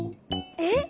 えっ？